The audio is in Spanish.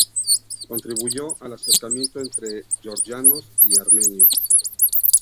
Contribuyó al acercamiento entre georgianos y armenios.